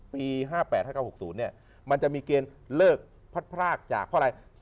ปี๕๘๖๐เนี่ยมันจะมีเกณฑ์เลิกพราคจากเพราะอะไร